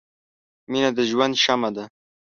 • مینه د ژوند شمعه ده.